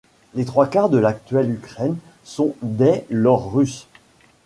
Les trois quarts de l’actuelle Ukraine sont dès lors russes.